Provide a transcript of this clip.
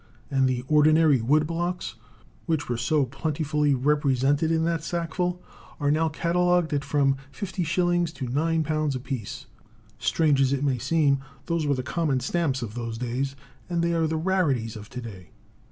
And the ordinary Woodblocks, which were so plentifully represented in that sackful, are now catalogued at from 50s. to £9 apiece. Strange as it may seem, those were the common stamps of those days, and they are the rarities of to day.